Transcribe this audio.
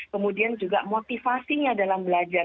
kemudian juga motivasinya dalam belajar